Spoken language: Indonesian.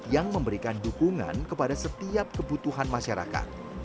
yang memberikan dukungan kepada setiap kebutuhan masyarakat